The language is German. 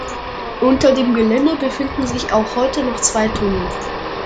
Unter dem Gelände befinden sich auch heute noch zwei Tunnel.